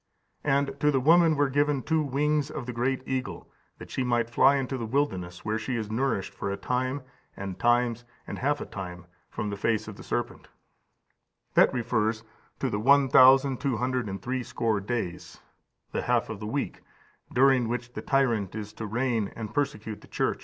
And to the woman were given two wings of the great eagle, that she might fly into the wilderness, where she is nourished for a time, and times, and half a time, from the face of the serpent."15381538 Rev. xi. 3. That refers to the one thousand two hundred and threescore days (the half of the week) during which the tyrant is to reign and persecute the Church,15391539 [Concerning Antichrist, two advents, etc.